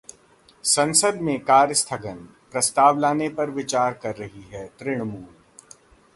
संसद में कार्यस्थगन प्रस्ताव लाने पर विचार कर रही है तृणमूल